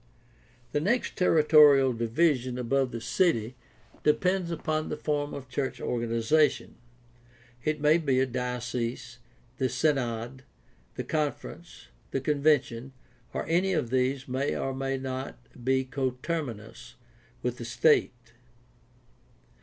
— The next territorial division above the city depends upon the form of church organization. It may be the diocese, the synod, the conference, the convention, and any of these may or may not be coterminous with the state.